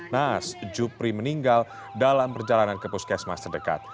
naas jupri meninggal dalam perjalanan ke puskesmas terdekat